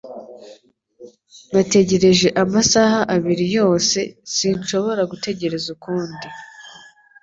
Nategereje amasaha abiri yose Sinshobora gutegereza ukundi